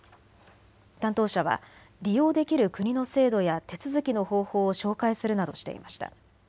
担当者は利用できる国の制度や手続きの方法を紹介するなどしていました。